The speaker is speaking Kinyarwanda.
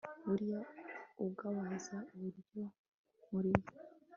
buriya uwababaza uburyo murimo